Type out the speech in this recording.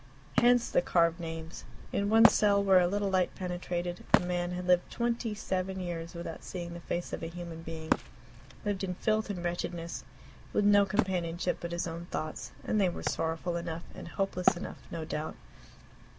Hence the carved names. In one cell, where a little light penetrated, a man had lived twenty seven years without seeing the face of a human being lived in filth and wretchedness, with no companionship but his own thoughts, and they were sorrowful enough and hopeless enough, no doubt.